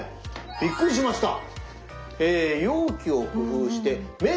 びっくりしました。